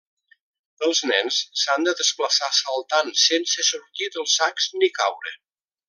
Els nens s'han de desplaçar saltant sense sortir dels sacs ni caure.